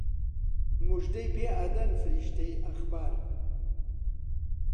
موژدەی پێ ئەدەن فریشتەی ئەخبار